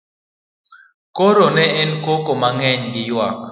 koro ne en koko mang'eny gi ywak